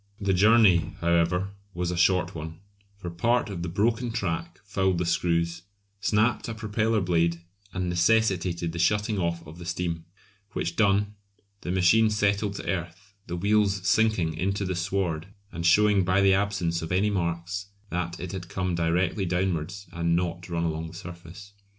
The journey, however, was a short one, for part of the broken track fouled the screws, snapped a propeller blade and necessitated the shutting off of the steam, which done, the machine settled to earth, the wheels sinking into the sward and showing by the absence of any marks that it had come directly downwards and not run along the surface.